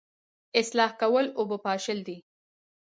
اصلاح کول اوبه پاشل دي